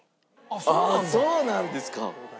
ああそうなんですか！